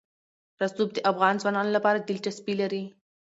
رسوب د افغان ځوانانو لپاره دلچسپي لري.